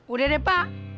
udah deh pak